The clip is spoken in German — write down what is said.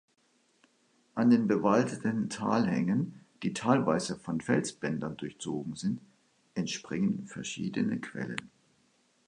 An den bewaldeten Talhängen, die teilweise von Felsbändern durchzogen sind, entspringen verschiedene Quellen.